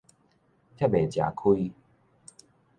才袂食虧